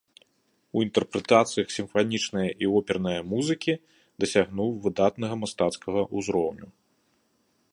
У інтэрпрэтацыях сімфанічнае і опернае музыкі дасягнуў выдатнага мастацкага ўзроўню.